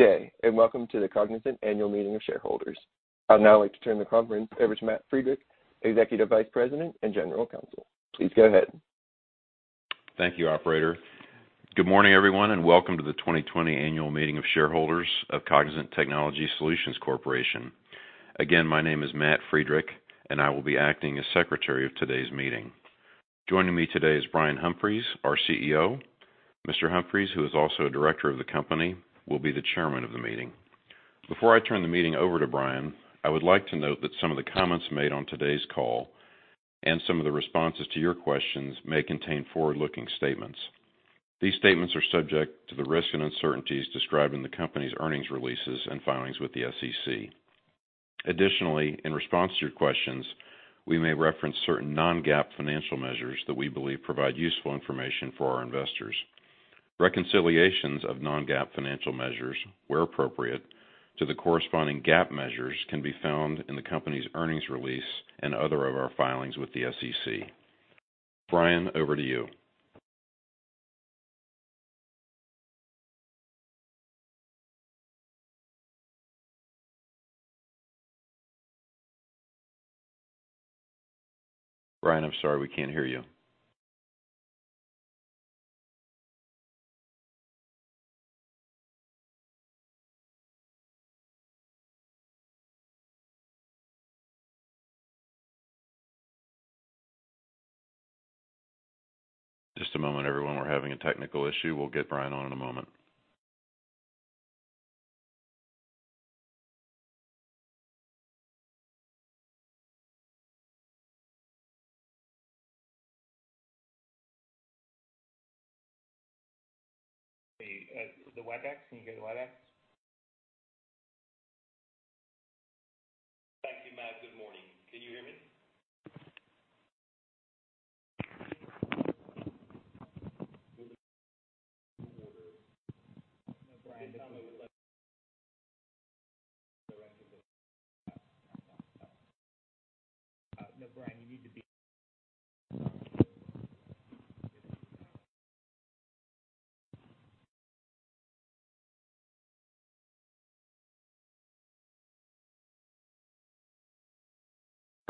Good day, and welcome to the Cognizant Annual Meeting of Shareholders. I'd now like to turn the conference over to Matt Friedrich, Executive Vice President and General Counsel. Please go ahead. Thank you, operator. Good morning, everyone, and welcome to the 2020 Annual Meeting of Shareholders of Cognizant Technology Solutions Corporation. Again, my name is Matthew Friedrich, and I will be acting as Secretary of today's meeting. Joining me today is Brian Humphries, our CEO. Mr. Humphries, who is also a director of the company, will be the chairman of the meeting. Before I turn the meeting over to Brian, I would like to note that some of the comments made on today's call and some of the responses to your questions may contain forward-looking statements. These statements are subject to the risks and uncertainties described in the company's earnings releases and filings with the SEC. Additionally, in response to your questions, we may reference certain non-GAAP financial measures that we believe provide useful information for our investors. Reconciliations of non-GAAP financial measures, where appropriate, to the corresponding GAAP measures can be found in the company's earnings release and other of our filings with the SEC. Brian, over to you. Brian, I'm sorry, we can't hear you. Just a moment, everyone. We're having a technical issue. We'll get Brian on in a moment. The Webex. Can you get Webex? Thank you, Matthew. Good morning. Can you hear me? No, Brian, you need to be-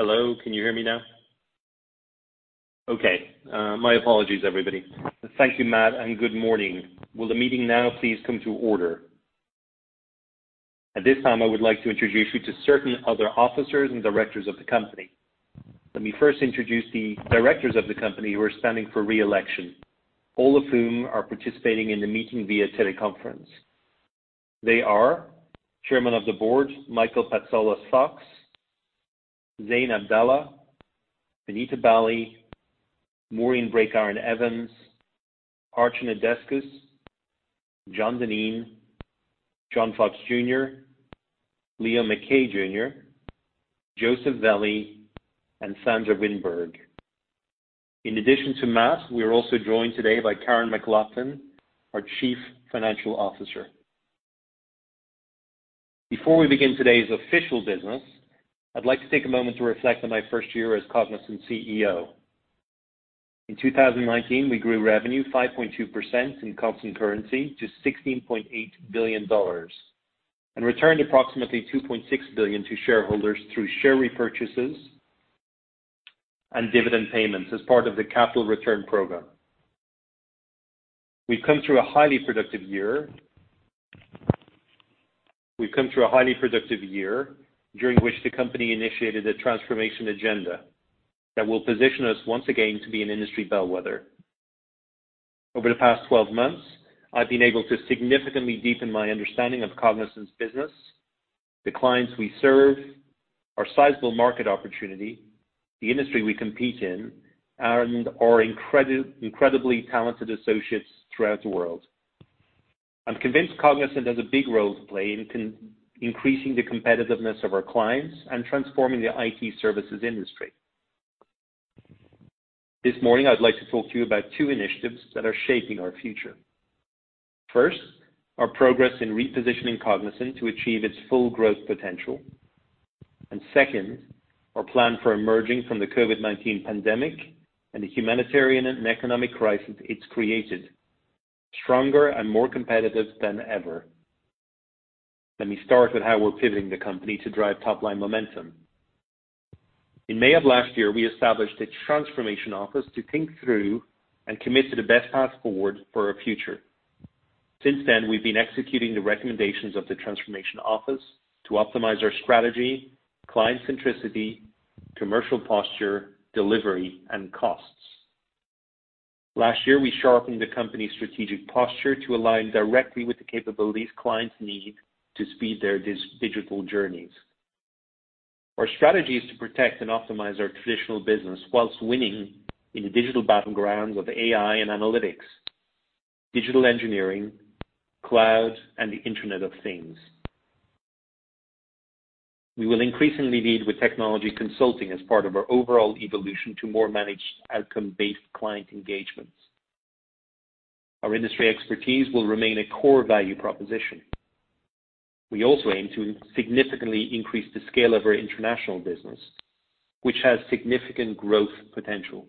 Hello, can you hear me now? Okay, my apologies, everybody. Thank you, Matthew, and good morning. Will the meeting now please come to order? At this time, I would like to introduce you to certain other officers and directors of the company. Let me first introduce the directors of the company who are standing for re-election, all of whom are participating in the meeting via teleconference. They are Chairman of the Board, Michael Patsalos-Fox, Zein Abdalla, Vinita Bali, Maureen Breakiron-Evans, Archana Deskus, John Dineen, John Fox Jr., Leo Mackay Jr., Joseph Velli, and Sandra Wijnberg. In addition to Matthew, we are also joined today by Karen McLoughlin, our Chief Financial Officer. Before we begin today's official business, I'd like to take a moment to reflect on my first year as Cognizant CEO. In 2019, we grew revenue 5.2% in constant currency to $16.8 billion and returned approximately $2.6 billion to shareholders through share repurchases and dividend payments as part of the capital return program. We've come through a highly productive year during which the company initiated a transformation agenda that will position us once again to be an industry bellwether. Over the past 12 months, I've been able to significantly deepen my understanding of Cognizant's business, the clients we serve, our sizable market opportunity, the industry we compete in, and our incredibly talented associates throughout the world. I'm convinced Cognizant has a big role to play in increasing the competitiveness of our clients and transforming the IT services industry. This morning, I'd like to talk to you about two initiatives that are shaping our future. First, our progress in repositioning Cognizant to achieve its full growth potential. Second, our plan for emerging from the COVID-19 pandemic and the humanitarian and economic crisis it's created, stronger and more competitive than ever. Let me start with how we're pivoting the company to drive top-line momentum. In May of last year, we established a transformation office to think through and commit to the best path forward for our future. Since then, we've been executing the recommendations of the transformation office to optimize our strategy, client centricity, commercial posture, delivery, and costs. Last year, we sharpened the company's strategic posture to align directly with the capabilities clients need to speed their digital journeys. Our strategy is to protect and optimize our traditional business whilst winning in the digital battlegrounds of AI and analytics, digital engineering, cloud, and the Internet of Things. We will increasingly lead with technology consulting as part of our overall evolution to more managed outcome-based client engagements. Our industry expertise will remain a core value proposition. We also aim to significantly increase the scale of our international business, which has significant growth potential.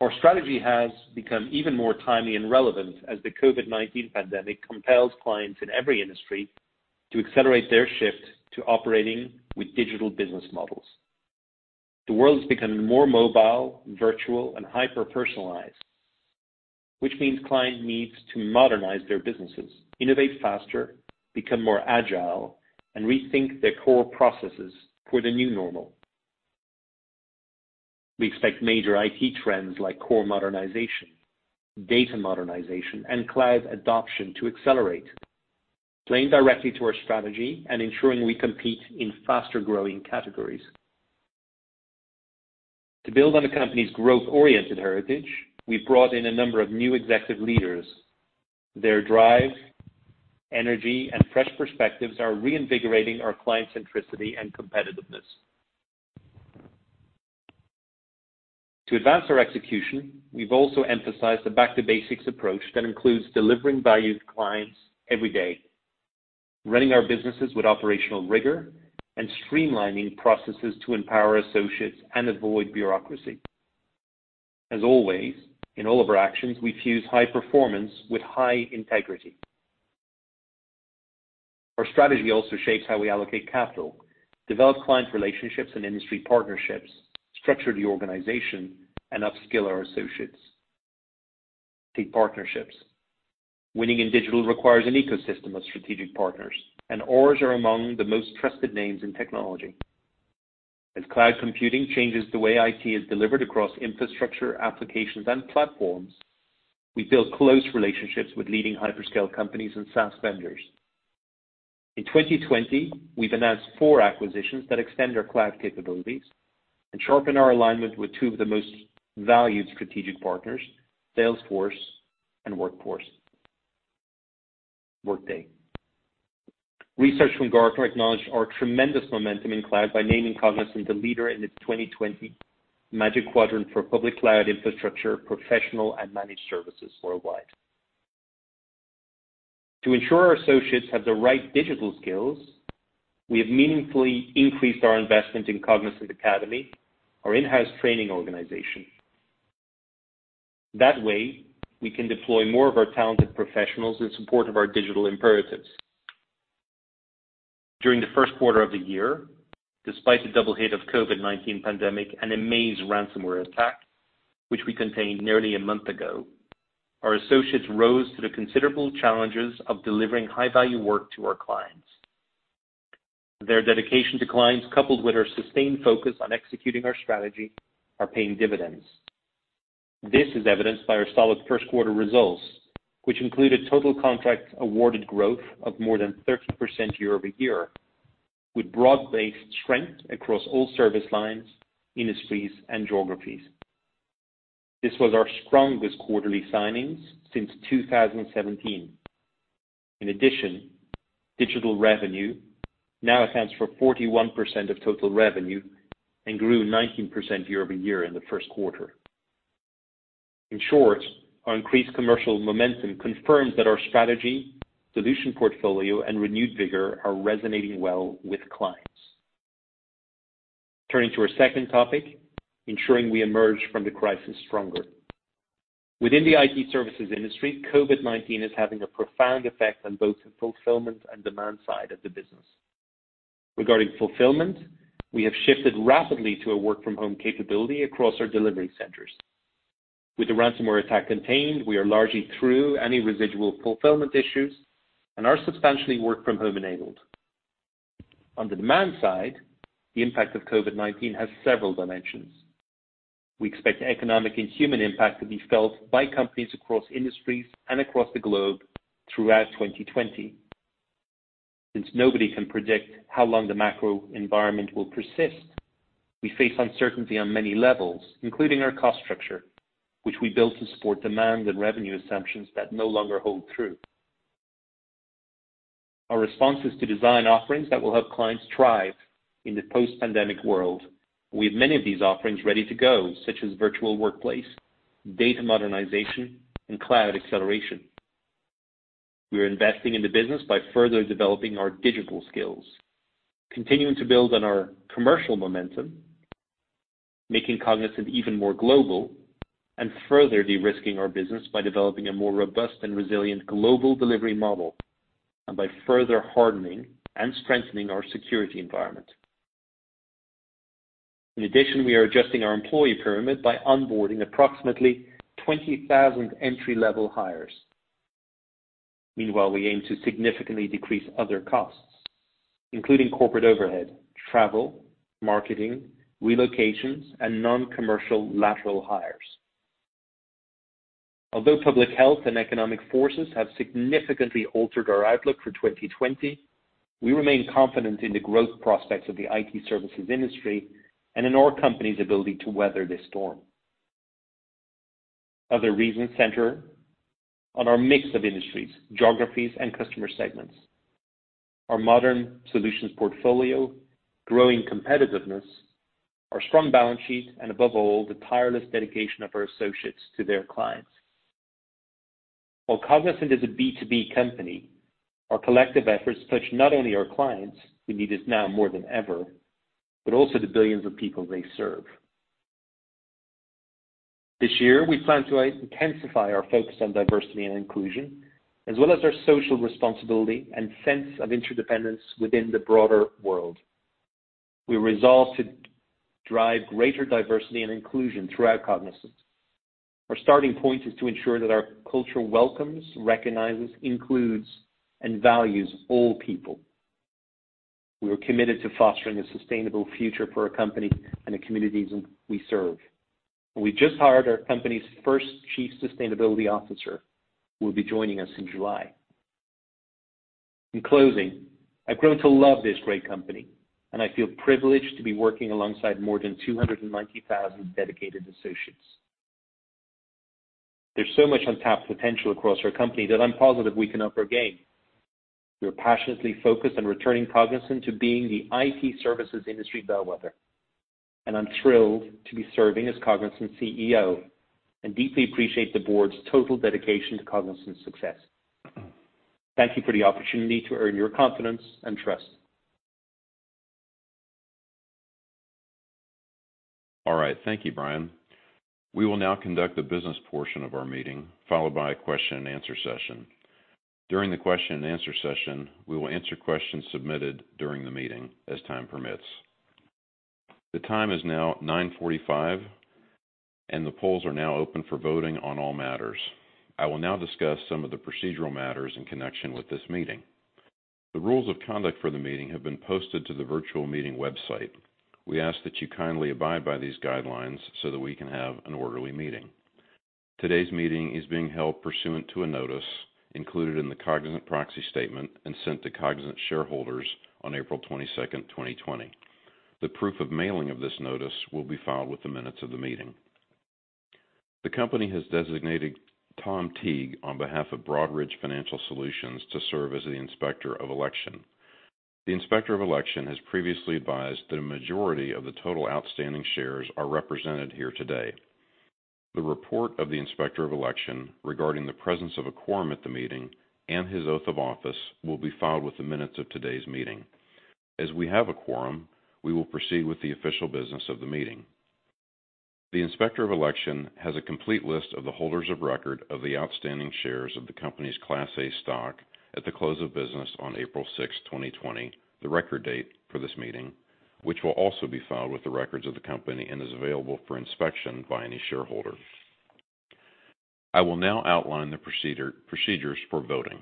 Our strategy has become even more timely and relevant as the COVID-19 pandemic compels clients in every industry to accelerate their shift to operating with digital business models. The world is becoming more mobile, virtual and hyper-personalized, which means clients need to modernize their businesses, innovate faster, become more agile, and rethink their core processes for the new normal. We expect major IT trends like core modernization, data modernization, and cloud adoption to accelerate, playing directly to our strategy and ensuring we compete in faster-growing categories. To build on the company's growth-oriented heritage, we've brought in a number of new executive leaders. Their drive, energy, and fresh perspectives are reinvigorating our client centricity and competitiveness. To advance our execution, we've also emphasized a back-to-basics approach that includes delivering value to clients every day, running our businesses with operational rigor, and streamlining processes to empower associates and avoid bureaucracy. As always, in all of our actions, we fuse high performance with high integrity. Our strategy also shapes how we allocate capital, develop client relationships and industry partnerships, structure the organization, and upskill our associates. Key partnerships. Winning in digital requires an ecosystem of strategic partners, and ours are among the most trusted names in technology. As cloud computing changes the way IT is delivered across infrastructure, applications, and platforms, we build close relationships with leading hyperscale companies and SaaS vendors. In 2020, we've announced four acquisitions that extend our cloud capabilities and sharpen our alignment with two of the most valued strategic partners, Salesforce and Workday. Research from Gartner acknowledged our tremendous momentum in cloud by naming Cognizant a leader in its 2020 Magic Quadrant for Public Cloud Infrastructure Professional and Managed Services, Worldwide. To ensure our associates have the right digital skills, we have meaningfully increased our investment in Cognizant Academy, our in-house training organization. That way, we can deploy more of our talented professionals in support of our digital imperatives. During the first quarter of the year, despite the double hit of COVID-19 pandemic and a Maze ransomware attack, which we contained nearly a month ago, our associates rose to the considerable challenges of delivering high-value work to our clients. Their dedication to clients, coupled with our sustained focus on executing our strategy, are paying dividends. This is evidenced by our solid first quarter results, which included total contracts awarded growth of more than 30% year-over-year, with broad-based strength across all service lines, industries, and geographies. This was our strongest quarterly signings since 2017. In addition, digital revenue now accounts for 41% of total revenue and grew 19% year-over-year in the first quarter. In short, our increased commercial momentum confirms that our strategy, solution portfolio, and renewed vigor are resonating well with clients. Turning to our second topic, ensuring we emerge from the crisis stronger. Within the IT services industry, COVID-19 is having a profound effect on both the fulfillment and demand side of the business. Regarding fulfillment, we have shifted rapidly to a work-from-home capability across our delivery centers. With the ransomware attack contained, we are largely through any residual fulfillment issues and are substantially work-from-home enabled. On the demand side, the impact of COVID-19 has several dimensions. We expect the economic and human impact to be felt by companies across industries and across the globe throughout 2020. Since nobody can predict how long the macro environment will persist, we face uncertainty on many levels, including our cost structure, which we built to support demand and revenue assumptions that no longer hold true. Our response is to design offerings that will help clients thrive in the post-pandemic world. We have many of these offerings ready to go, such as virtual workplace, data modernization, and cloud acceleration. We are investing in the business by further developing our digital skills, continuing to build on our commercial momentum, making Cognizant even more global, and further de-risking our business by developing a more robust and resilient global delivery model, and by further hardening and strengthening our security environment. In addition, we are adjusting our employee pyramid by onboarding approximately 20,000 entry-level hires. Meanwhile, we aim to significantly decrease other costs, including corporate overhead, travel, marketing, relocations, and non-commercial lateral hires. Although public health and economic forces have significantly altered our outlook for 2020, we remain confident in the growth prospects of the IT services industry and in our company's ability to weather this storm. Other reasons center on our mix of industries, geographies, and customer segments, our modern solutions portfolio, growing competitiveness, our strong balance sheet, and above all, the tireless dedication of our associates to their clients. While Cognizant is a B2B company, our collective efforts touch not only our clients, who need us now more than ever, but also the billions of people they serve. This year, we plan to intensify our focus on diversity and inclusion, as well as our social responsibility and sense of interdependence within the broader world. We resolve to drive greater diversity and inclusion throughout Cognizant. Our starting point is to ensure that our culture welcomes, recognizes, includes, and values all people. We are committed to fostering a sustainable future for our company and the communities we serve. We just hired our company's first chief sustainability officer, who will be joining us in July. In closing, I've grown to love this great company, and I feel privileged to be working alongside more than 290,000 dedicated associates. There's so much untapped potential across our company that I'm positive we can up our game. We are passionately focused on returning Cognizant to being the IT services industry bellwether, and I'm thrilled to be serving as Cognizant's CEO and deeply appreciate the board's total dedication to Cognizant's success. Thank you for the opportunity to earn your confidence and trust. All right. Thank you, Brian. We will now conduct the business portion of our meeting, followed by a question and answer session. During the question and answer session, we will answer questions submitted during the meeting as time permits. The time is now 9:45 A.M., and the polls are now open for voting on all matters. I will now discuss some of the procedural matters in connection with this meeting. The rules of conduct for the meeting have been posted to the virtual meeting website. We ask that you kindly abide by these guidelines so that we can have an orderly meeting. Today's meeting is being held pursuant to a notice included in the Cognizant proxy statement and sent to Cognizant shareholders on April 22nd, 2020. The proof of mailing of this notice will be filed with the minutes of the meeting. The company has designated Tom Teague on behalf of Broadridge Financial Solutions to serve as the Inspector of Election. The Inspector of Election has previously advised that a majority of the total outstanding shares are represented here today. The report of the Inspector of Election regarding the presence of a quorum at the meeting and his oath of office will be filed with the minutes of today's meeting. As we have a quorum, we will proceed with the official business of the meeting. The Inspector of Election has a complete list of the holders of record of the outstanding shares of the company's Class A stock at the close of business on April 6th, 2020, the record date for this meeting, which will also be filed with the records of the company and is available for inspection by any shareholder. I will now outline the procedures for voting.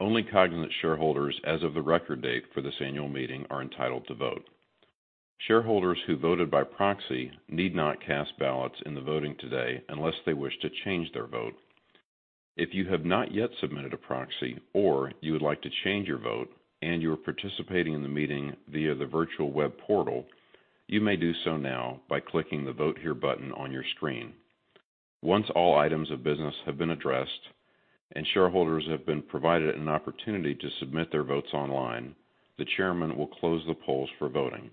Only Cognizant shareholders as of the record date for this annual meeting are entitled to vote. Shareholders who voted by proxy need not cast ballots in the voting today unless they wish to change their vote. If you have not yet submitted a proxy or you would like to change your vote and you are participating in the meeting via the virtual web portal, you may do so now by clicking the Vote Here button on your screen. Once all items of business have been addressed and shareholders have been provided an opportunity to submit their votes online, the chairman will close the polls for voting.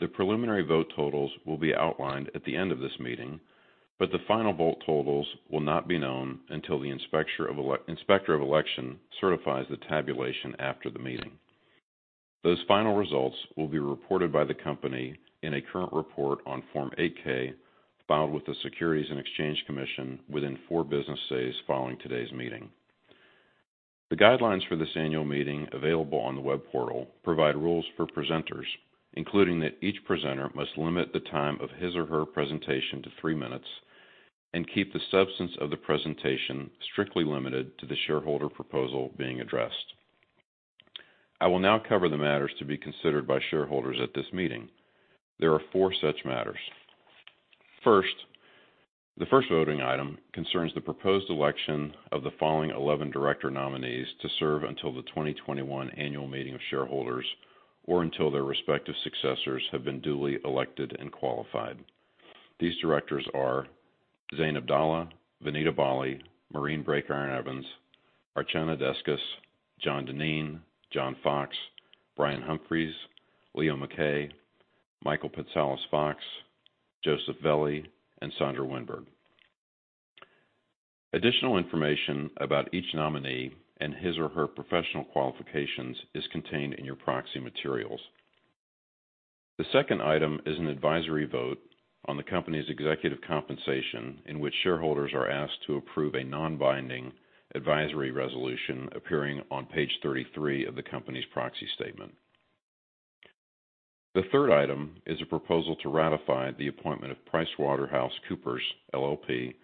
The preliminary vote totals will be outlined at the end of this meeting. The final vote totals will not be known until the Inspector of Election certifies the tabulation after the meeting. Those final results will be reported by the company in a current report on Form 8-K filed with the Securities and Exchange Commission within four business days following today's meeting. The guidelines for this annual meeting available on the web portal provide rules for presenters, including that each presenter must limit the time of his or her presentation to three minutes and keep the substance of the presentation strictly limited to the shareholder proposal being addressed. I will now cover the matters to be considered by shareholders at this meeting. There are four such matters. The first voting item concerns the proposed election of the following 11 director nominees to serve until the 2021 annual meeting of shareholders or until their respective successors have been duly elected and qualified. These directors are Zein Abdalla, Vinita Bali, Maureen Breakiron-Evans, Archana Deskus, John Dineen, John Fox, Brian Humphries, Leo Mackay, Michael Patsalos-Fox, Joseph Velli, and Sandra Wijnberg. Additional information about each nominee and his or her professional qualifications is contained in your proxy materials. The second item is an advisory vote on the company's executive compensation in which shareholders are asked to approve a non-binding advisory resolution appearing on page 33 of the company's proxy statement. The third item is a proposal to ratify the appointment of PricewaterhouseCoopers LLP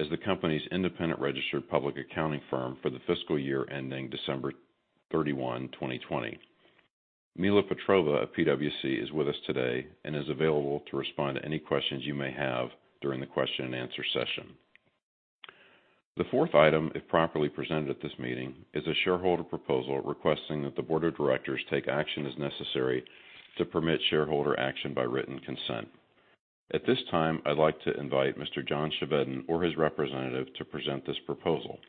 as the company's independent registered public accounting firm for the fiscal year ending December 31, 2020. Mila Petrova of PwC is with us today and is available to respond to any questions you may have during the question and answer session. The fourth item, if properly presented at this meeting, is a shareholder proposal requesting that the Board of Directors take action as necessary to permit shareholder action by written consent. At this time, I'd like to invite Mr. John Chevedden or his representative to present this proposal.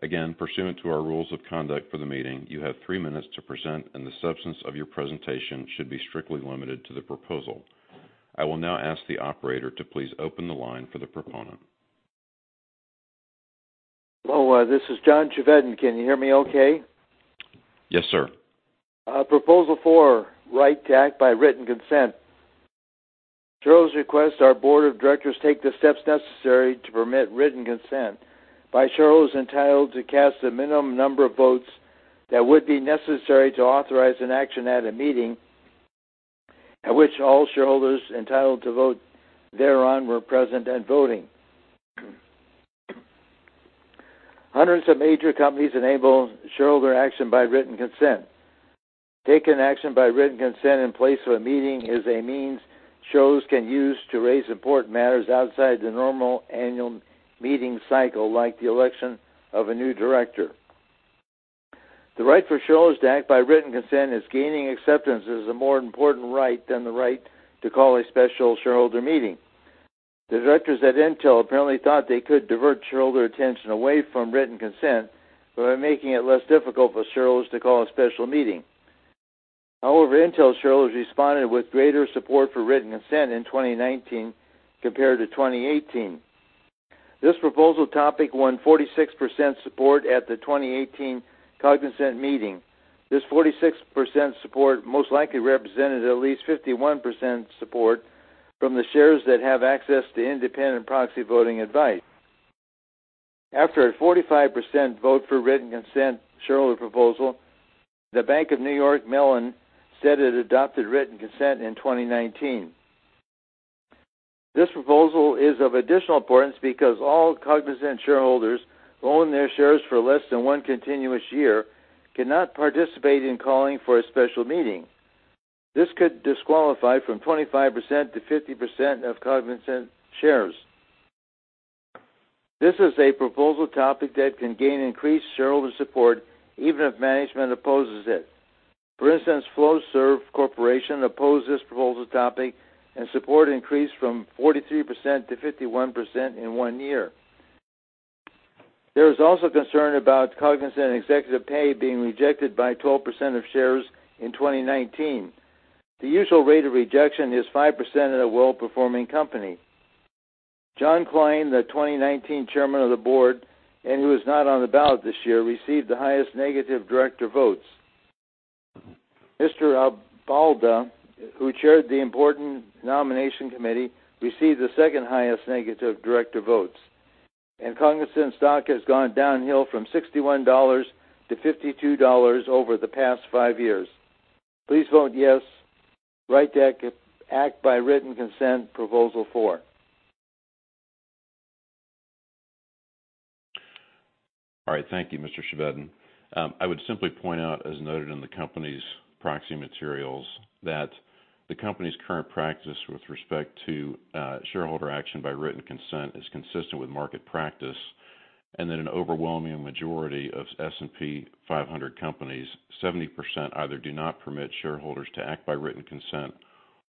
Again, pursuant to our rules of conduct for the meeting, you have three minutes to present, and the substance of your presentation should be strictly limited to the proposal. I will now ask the operator to please open the line for the proponent. Hello, this is John Chevedden. Can you hear me okay? Yes, sir. Proposal four, right to act by written consent. Shareholders request our board of directors take the steps necessary to permit written consent by shareholders entitled to cast the minimum number of votes that would be necessary to authorize an action at a meeting at which all shareholders entitled to vote thereon were present and voting. Hundreds of major companies enable shareholder action by written consent. Taking action by written consent in place of a meeting is a means shareholders can use to raise important matters outside the normal annual meeting cycle, like the election of a new director. The right for shareholders to act by written consent is gaining acceptance as a more important right than the right to call a special shareholder meeting. The directors at Intel apparently thought they could divert shareholder attention away from written consent by making it less difficult for shareholders to call a special meeting. Intel shareholders responded with greater support for written consent in 2019 compared to 2018. This proposal topic won 46% support at the 2018 Cognizant meeting. This 46% support most likely represented at least 51% support from the shares that have access to independent proxy voting advice. After a 45% vote for written consent shareholder proposal, the Bank of New York Mellon said it adopted written consent in 2019. This proposal is of additional importance because all Cognizant shareholders who own their shares for less than one continuous year cannot participate in calling for a special meeting. This could disqualify from 25%-50% of Cognizant shares. This is a proposal topic that can gain increased shareholder support even if management opposes it. For instance, Flowserve Corporation opposed this proposal topic, and support increased from 43% to 51% in one year. There is also concern about Cognizant executive pay being rejected by 12% of shares in 2019. The usual rate of rejection is 5% at a well-performing company. John Klein, the 2019 Chairman of the Board and who is not on the ballot this year, received the highest negative director votes. Mr. Abdalla, who chaired the important Nominating and Corporate Governance Committee, received the second highest negative director votes. Cognizant stock has gone downhill from $61 to $52 over the past five years. Please vote yes, right to act by written consent, proposal four. All right. Thank you, Mr. Chevedden. I would simply point out, as noted in the company's proxy materials, that the company's current practice with respect to shareholder action by written consent is consistent with market practice and that an overwhelming majority of S&P 500 companies, 70%, either do not permit shareholders to act by written consent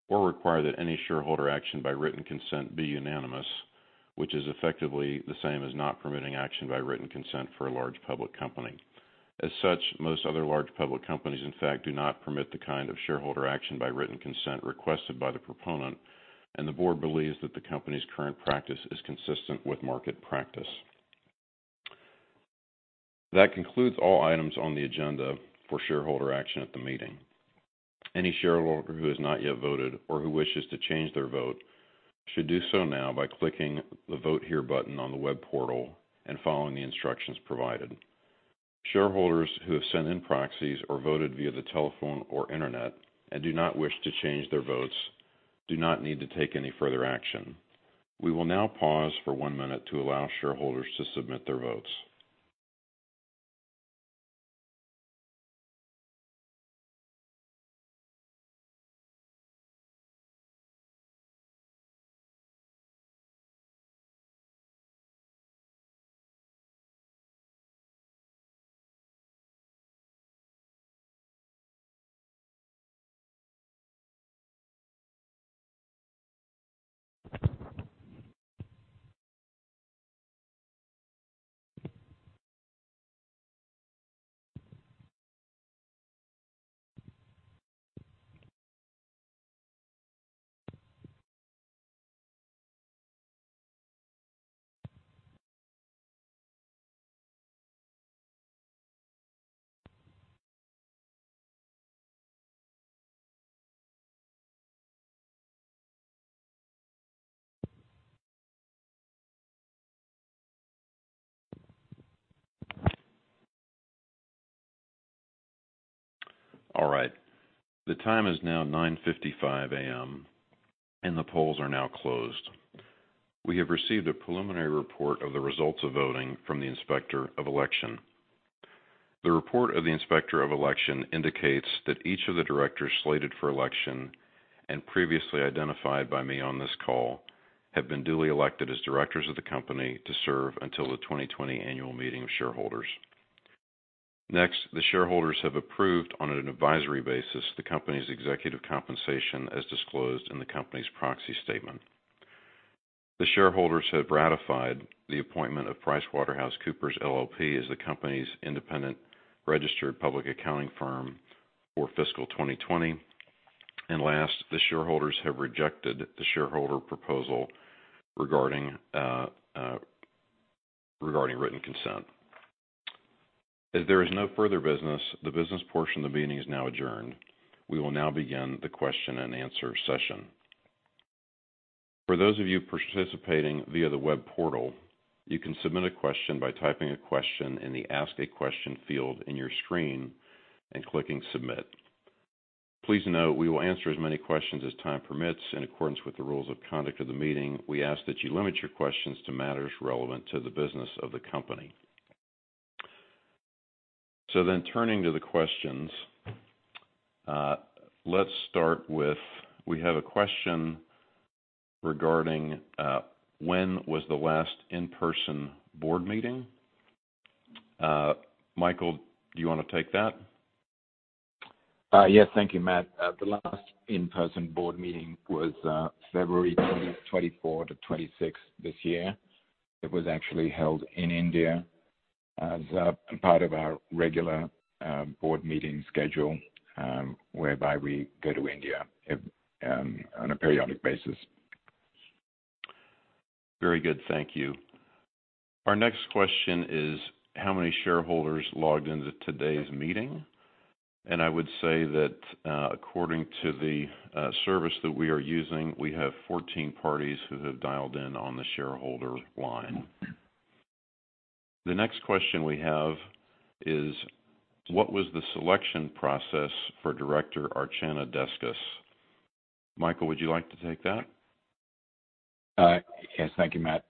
or require that any shareholder action by written consent be unanimous, which is effectively the same as not permitting action by written consent for a large public company. As such, most other large public companies, in fact, do not permit the kind of shareholder action by written consent requested by the proponent, and the board believes that the company's current practice is consistent with market practice. That concludes all items on the agenda for shareholder action at the meeting. Any shareholder who has not yet voted or who wishes to change their vote should do so now by clicking the Vote Here button on the web portal and following the instructions provided. Shareholders who have sent in proxies or voted via the telephone or internet and do not wish to change their votes do not need to take any further action. We will now pause for one minute to allow shareholders to submit their votes. All right. The time is now 9:55 A.M., and the polls are now closed. We have received a preliminary report of the results of voting from the inspector of election. The report of the inspector of election indicates that each of the directors slated for election and previously identified by me on this call have been duly elected as directors of the company to serve until the 2020 annual meeting of shareholders. Next, the shareholders have approved on an advisory basis the company's executive compensation as disclosed in the company's proxy statement. The shareholders have ratified the appointment of PricewaterhouseCoopers LLP as the company's independent registered public accounting firm for fiscal 2020. Last, the shareholders have rejected the shareholder proposal regarding written consent. As there is no further business, the business portion of the meeting is now adjourned. We will now begin the question and answer session. For those of you participating via the web portal, you can submit a question by typing a question in the Ask a Question field in your screen and clicking Submit. Please note we will answer as many questions as time permits in accordance with the rules of conduct of the meeting. We ask that you limit your questions to matters relevant to the business of the company. Turning to the questions, let's start with, we have a question regarding when was the last in-person board meeting. Michael, do you want to take that? Yes. Thank you, Matthew. The last in-person board meeting was February 24 to 26 this year. It was actually held in India as a part of our regular board meeting schedule, whereby we go to India on a periodic basis. Very good. Thank you. Our next question is how many shareholders logged into today's meeting? I would say that, according to the service that we are using, we have 14 parties who have dialed in on the shareholder line. The next question we have is what was the selection process for Director Archana Deskus? Michael, would you like to take that? Yes. Thank you, Matt.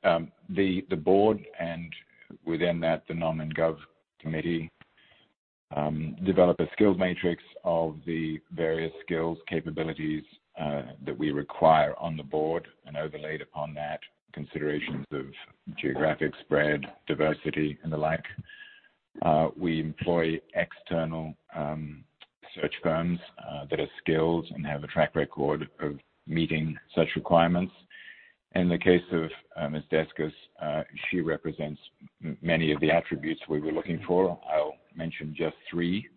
The board, and within that, the Nom and Gov Committee, develop a skills matrix of the various skills capabilities that we require on the board, and overlaid upon that, considerations of geographic spread, diversity, and the like. We employ external search firms that are skilled and have a track record of meeting such requirements. In the case of Ms. Deskus, she represents many of the attributes we were looking for. I'll mention just three.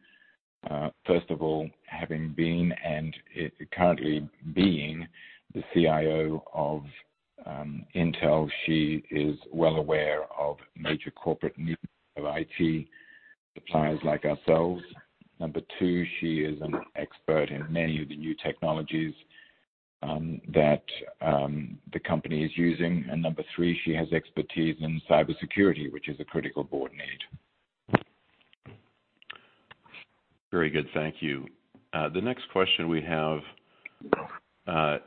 First of all, having been and currently being the CIO of Intel, she is well aware of major corporate needs of IT suppliers like ourselves. Number two, she is an expert in many of the new technologies that the company is using. Number three, she has expertise in cybersecurity, which is a critical board need. Very good. Thank you. The next question we have is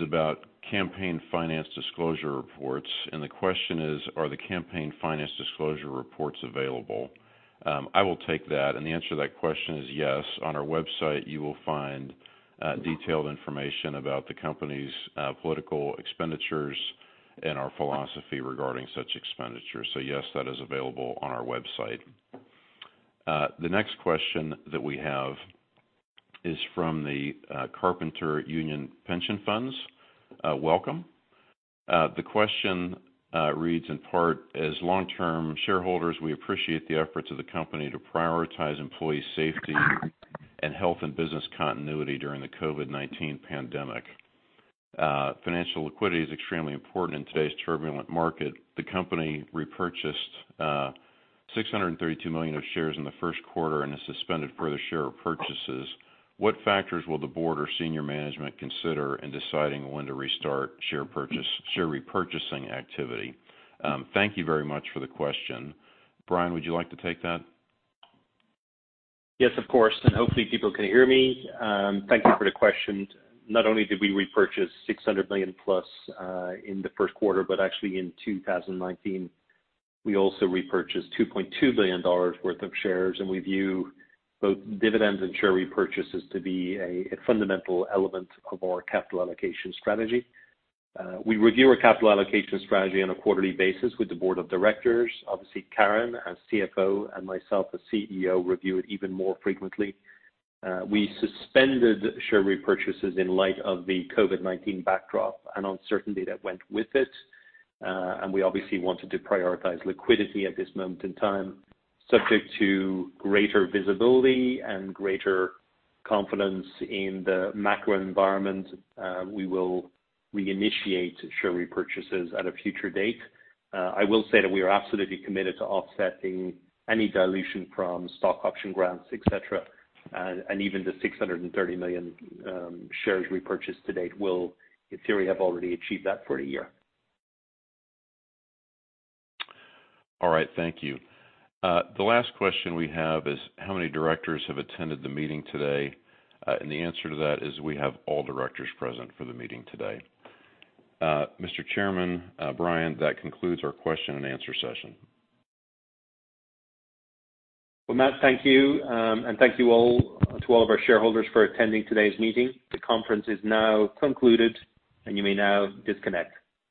about campaign finance disclosure reports. The question is: Are the campaign finance disclosure reports available? I will take that. The answer to that question is yes. On our website, you will find detailed information about the company's political expenditures and our philosophy regarding such expenditures. Yes, that is available on our website. The next question that we have is from the Carpenters Union Pension Funds. Welcome. The question reads in part, "As long-term shareholders, we appreciate the efforts of the company to prioritize employee safety and health and business continuity during the COVID-19 pandemic. Financial liquidity is extremely important in today's turbulent market. The company repurchased $632 million of shares in the first quarter and has suspended further share repurchases. What factors will the board or senior management consider in deciding when to restart share repurchasing activity? Thank you very much for the question. Brian, would you like to take that? Yes, of course, and hopefully people can hear me. Thank you for the question. Not only did we repurchase $600 million+ in the first quarter. Actually, in 2019, we also repurchased $2.2 billion worth of shares. We view both dividends and share repurchases to be a fundamental element of our capital allocation strategy. We review our capital allocation strategy on a quarterly basis with the board of directors. Obviously, Karen, as CFO, and myself as CEO, review it even more frequently. We suspended share repurchases in light of the COVID-19 backdrop and uncertainty that went with it. We obviously wanted to prioritize liquidity at this moment in time. Subject to greater visibility and greater confidence in the macro environment, we will reinitiate share repurchases at a future date. I will say that we are absolutely committed to offsetting any dilution from stock option grants, et cetera, and even the $630 million shares repurchase to date will, in theory, have already achieved that for a year. All right. Thank you. The last question we have is how many directors have attended the meeting today? The answer to that is we have all directors present for the meeting today. Mr. Chairman, Brian, that concludes our question and answer session. Well, Matthew, thank you, and thank you all to all of our shareholders for attending today's meeting. The conference is now concluded, and you may now disconnect.